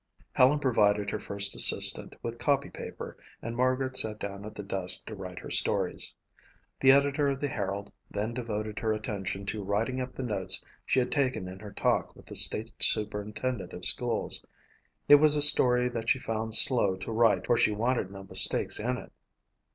Helen provided her first assistant with copypaper and Margaret sat down at the desk to write her stories. The editor of the Herald then devoted her attention to writing up the notes she had taken in her talk with the state superintendent of schools. It was a story that she found slow to write for she wanted no mistakes in it.